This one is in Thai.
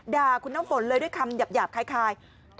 ด่าคุณน้ำฝนเลยด้วยคำหยาบคล้าย